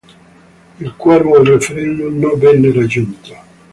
Il quorum al referendum non venne raggiunto.